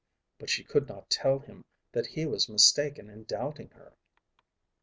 But she could not tell him that he was mistaken in doubting her.